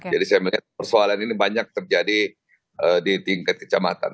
jadi saya melihat persoalan ini banyak terjadi di tingkat kecamatan